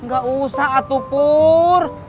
gak usah atuh pur